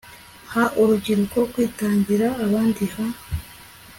ha urubyiruko kwitangira abandi, ha